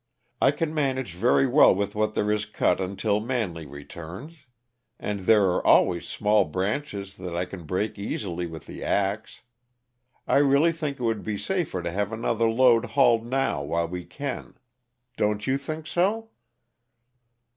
I can manage very well with what there is cut until Manley returns; and there are always small branches that I can break easily with the axe. I really think it would be safer to have another load hauled now while we can. Don't you think so?"